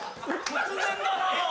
・突然だなぁ。